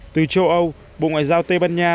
từ châu âu bộ ngoại giao tây ban nha